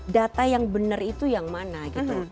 data yang benar itu yang mana gitu